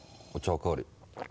お代わり。